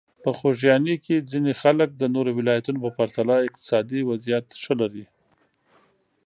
په خوږیاڼي کې ځینې خلک د نورو ولایتونو په پرتله اقتصادي وضعیت ښه لري.